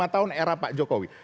lima tahun era pak jokowi